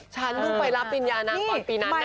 ฉันต้องไปรับปริญญาตอนปีนั้น